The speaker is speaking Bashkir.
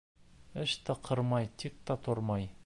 Эш тә ҡырмай, тик тә тормай.